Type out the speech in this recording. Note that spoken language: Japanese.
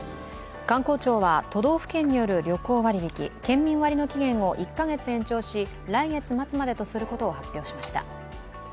観光庁は都道府県による旅行割引、県民割の期限を１カ月延長し、来月末までとすることを発表しました。